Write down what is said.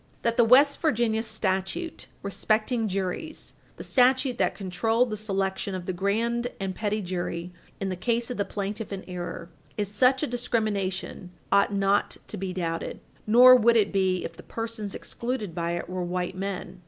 That the West Virginia statute respecting juries the statute that controlled the selection of the grand and petit jury in the case of the plaintiff in error is such a discrimination ought not to be doubted. Nor would it be if the persons excluded by it were white men.